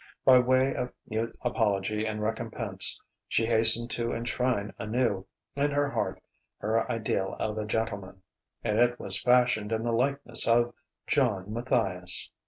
By way of mute apology and recompense she hastened to enshrine anew in her heart her ideal of a gentleman; and it was fashioned in the likeness of John Matthias.